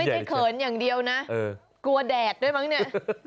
เขินอย่างเดียวนะกลัวแดดด้วยมั้งเนี่ย